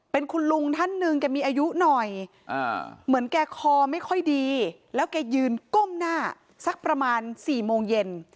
เป็นคุณลุงท่านหนึ่งแกมีอายุหน่อยเหมือนแกคอไม่ค่อยดีแล้วแกยืนก้มหน้าสักประมาณ๔โมงเย็น